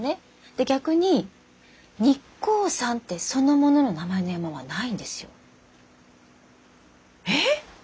で逆に「日光山」ってそのものの名前の山はないんですよ。えっ！？